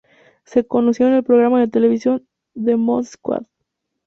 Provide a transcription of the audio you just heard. Se conocieron en el programa de televisión "The Mod Squad".